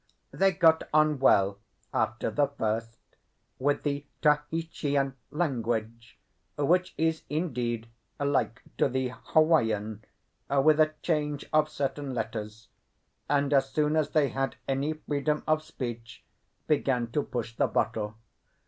They got on well after the first with the Tahitian language, which is indeed like to the Hawaiian, with a change of certain letters; and as soon as they had any freedom of speech, began to push the bottle.